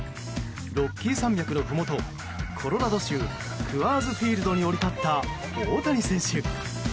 ロッキー山脈のふもとコロラド州クアーズ・フィールドに降り立った大谷選手。